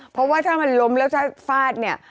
เพราะว่าถ้ามันล้มแล้วถ้าฟาดเนี่ย